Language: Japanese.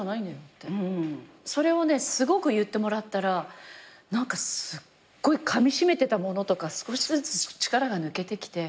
ってそれをすごく言ってもらったらすっごいかみしめてたものとか少しずつ力が抜けてきて。